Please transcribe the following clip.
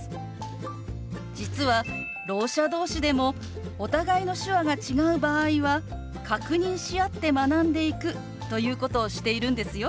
実はろう者同士でもお互いの手話が違う場合は確認し合って学んでいくということをしているんですよ。